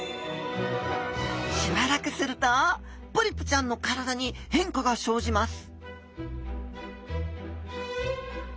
しばらくするとポリプちゃんの体に変化が生じます